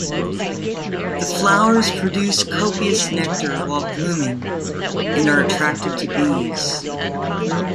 The flowers produce copious nectar while blooming and are attractive to bees.